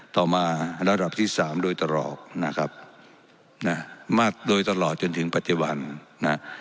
ต่อมาระดับที่สามโดยตลอดนะครับนะมาโดยตลอดจนถึงปัจจุบันนะ